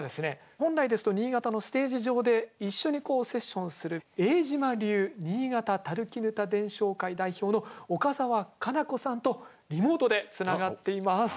本来ですと新潟のステージ上で一緒にセッションする永島流新潟砧伝承会代表の岡澤花菜子さんとリモートでつながっています。